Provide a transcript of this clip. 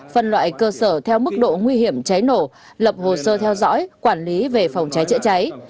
phân loại cơ sở theo mức độ nguy hiểm cháy nổ lập hồ sơ theo dõi quản lý về phòng cháy chữa cháy